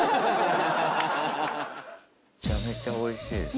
めちゃめちゃ美味しいです。